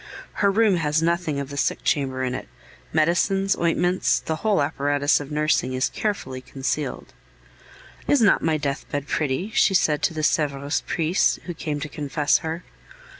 Her room has nothing of the sick chamber in it; medicines, ointments, the whole apparatus of nursing, is carefully concealed. "Is not my deathbed pretty!" she said to the Sevres priest who came to confess her.